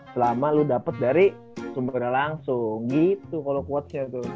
selama lo dapat dari sumbernya langsung gitu kalau quotesnya tuh